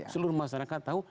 seluruh masyarakat tahu